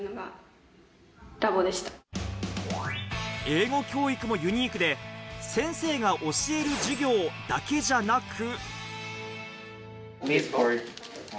英語教育もユニークで先生が教える授業だけじゃなく。